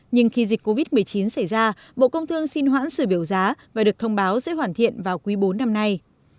nhưng khi dịch covid một mươi chín xảy ra bộ công thương xin hoãn sửa biểu giá và được thông báo sẽ hoàn thiện vào quý bốn năm nay